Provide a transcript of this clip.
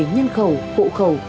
nhân khẩu hộ khẩu